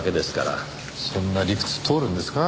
そんな理屈通るんですか？